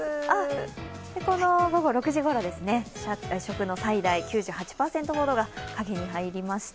午後６時ごろ、食の最大、９８％ほどが影に入りました。